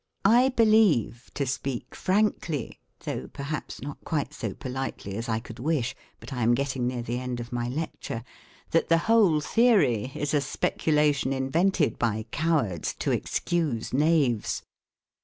I believe, to speak frankly, though perhaps not quite so politely as I could wish but I am getting near the end of my lecture that the whole theory is a speculation invented by cowards to excuse knaves.